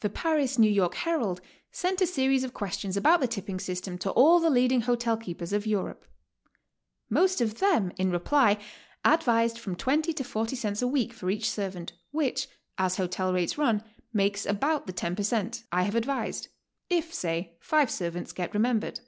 The Paris New York Herald sent a series of questions about the tipping system to all the leading hotel keepers of Europe. Most of them in reply advised fro m twenty to forty HOW TO STAY. 173 cents a week for each servant, whic'h, as hotel rates run, makes about the ten per cent. I have advised, if, say, five servants get rememl>ered.